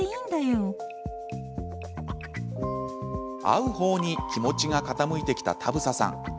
会う方に気持ちが傾いてきた田房さん